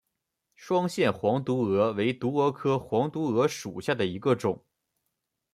双线黄毒蛾为毒蛾科黄毒蛾属下的一个种。